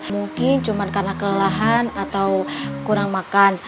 mungkin cuma karena kelelahan atau kurang makan